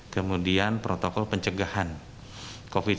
kemudian protokol pencegahan covid sembilan belas